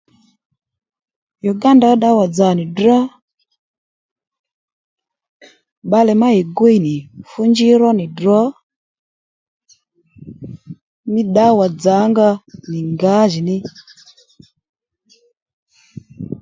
Uganda ó ddawà dzà ní ddrá bbalè má ì gwîy ì fú njí ro nì nì ddrǒ mí ddawa dzǎ-nga nì ngǎjì ní